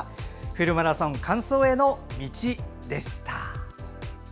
「フルマラソン完走への道」でした。